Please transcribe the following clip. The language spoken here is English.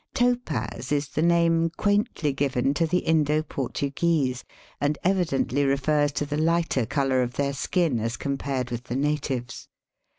181 Topaz is the name quaintly given to the Indo Portuguese, and evidently refers to the lighter colour of their skin as compared with the natives.